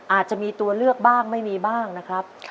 อาจจะมีตัวเลือกบ้างไม่มีบ้างนะครับ